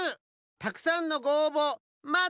たくさんのごおうぼまってます！